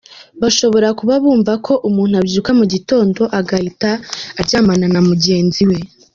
Bashobora kuba bumva ko umuntu abyuka mu gitondo agahita aryamana na mugenzi we.